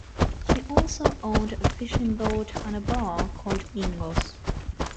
He also owned a fishing boat and a bar called "Ingo's".